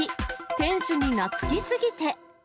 店主に懐き過ぎて。